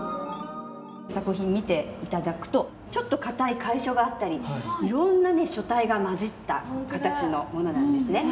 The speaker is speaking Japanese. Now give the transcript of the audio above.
作品見て頂くとちょっと硬い楷書があったりいろんな書体が交じった形のものなんですね。